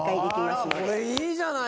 あらこれいいじゃない！